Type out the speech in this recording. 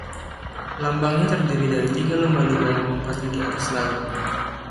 Lambangnya terdiri dari tiga lumba-lumba yang melompat di atas laut.